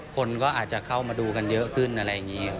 คนก็อาจจะเข้ามาดูกันเยอะขึ้นอะไรอย่างนี้